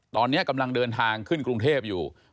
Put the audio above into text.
ตอนนี้กำลังเดินทางขึ้นกรุงเทพอยู่